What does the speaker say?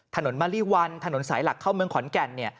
ถนนมะลิวันถนนสายหลักเข้าเมืองขอนแก่น